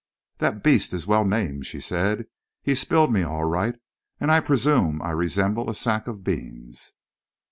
"That beast is well named," she said. "He spilled me, all right. And I presume I resembled a sack of beans."